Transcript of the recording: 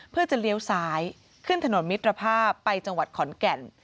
เพื่อจะเลี้ยวซ้ายขึ้นถนนมิตรภาพไปจังหวัดขอนแก่น